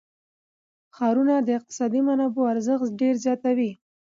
ښارونه د اقتصادي منابعو ارزښت ډېر زیاتوي.